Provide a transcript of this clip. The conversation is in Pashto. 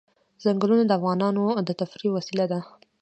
ځنګلونه د افغانانو د تفریح یوه وسیله ده.